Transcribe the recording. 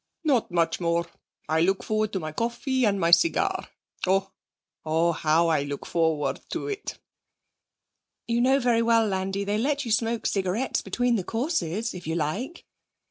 'Not much more. I look forward to my coffee and my cigar. Oh, how I look forward to it!' 'You know very well, Landi, they let you smoke cigarettes between the courses, if you like.'